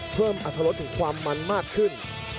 เพิ่มอรรถลดถึงความมันมากขึ้น